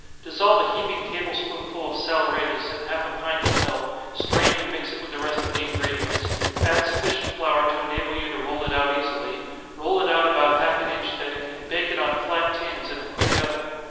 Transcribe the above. Dissolve a heaping table spoonful of saleratus in half a pint of milk, strain and mix it with the rest of the ingredients, add sufficient flour to enable you to roll it out easily, roll it out about half an inch thick, and bake it on flat tins in a quick oven.